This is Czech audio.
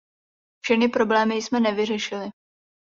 Všechny problémy jsme nevyřešili.